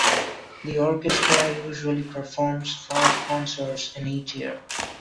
The orchestra usually performs five concerts in each year.